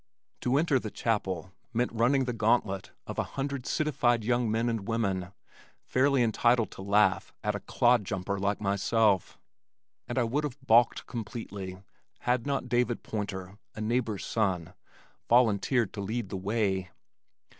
To enter the chapel meant running the gauntlet of a hundred citified young men and women, fairly entitled to laugh at a clod jumper like myself, and I would have balked completely had not David Pointer, a neighbor's son, volunteered to lead the way.